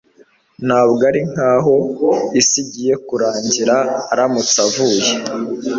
ntabwo ari nkaho isi igiye kurangira aramutse avuye